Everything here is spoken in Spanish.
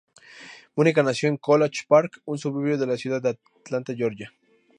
Monica nació en College Park, un suburbio de la ciudad de Atlanta, Georgia.